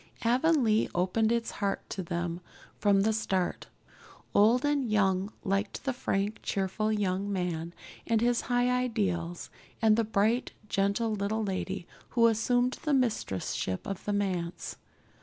Avonlea opened its heart to them from the start. Old and young liked the frank, cheerful young man with his high ideals, and the bright, gentle little lady who assumed the mistress ship of the manse.